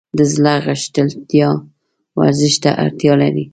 د زړه غښتلتیا ورزش ته اړتیا لري.